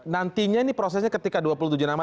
nantinya ini prosesnya ketika dua puluh tujuh nama